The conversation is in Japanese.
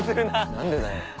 何でだよ。